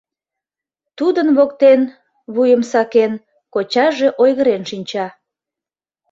Тудын воктен, вуйым сакен, кочаже ойгырен шинча.